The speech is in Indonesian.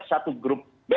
tidak masuk ke dalam situ